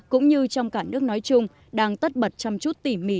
cũng như trong cả nước nói chung đang tất bật chăm chút tỉ mỉ